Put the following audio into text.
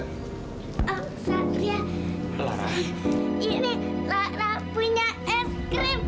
ini lara punya es krim